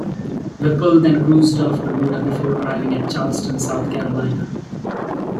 Whipple then cruised off Bermuda before arriving at Charleston, South Carolina.